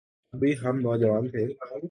ابھی ہم نوجوان تھے۔